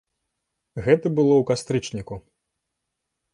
Гэта было ў кастрычніку.